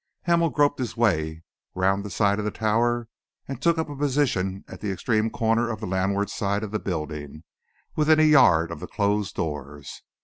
Hamel groped his way round the side of the Tower and took up a position at the extreme corner of the landward side of the building, within a yard of the closed doors.